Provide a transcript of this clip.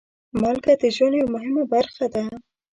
مالګه د ژوند یوه مهمه برخه ده.